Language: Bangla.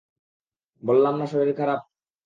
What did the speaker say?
বললাম না শরীর খারাপ!